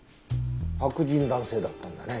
白人男性だったんだね。